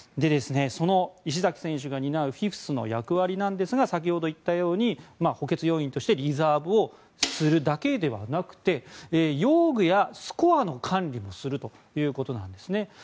その石崎選手が担うフィフスの役割なんですが先ほど言ったように補欠要員としてリザーブをするだけではなくて用具やスコアの管理もするということなんですね。